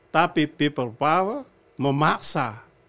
tapi people power memaksa